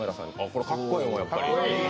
これかっこええわ、やっぱり。